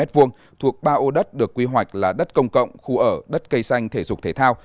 thuộc ba ô đất được quy hoạch là đất công cộng khu ở đất cây xanh thể dục thể thao